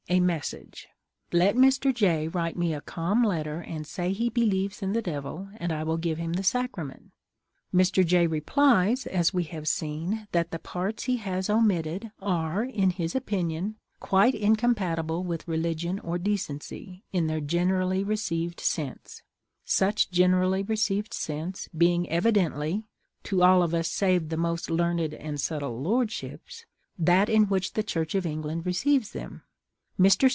a message: "Let Mr. J. write me a calm letter, and say he believes in the Devil, and I will give him the Sacrament." Mr. J. replies, as we have seen, that the parts he has omitted are, in his opinion, quite incompatible with religion or decency, in their generally received sense; such generally received sense being evidently (to all of us save their most learned and subtle lordships) that in which the Church of England receives them. Mr.